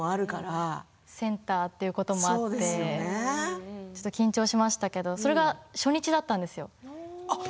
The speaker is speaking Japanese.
センターということもあって、それが初日だったんですよ。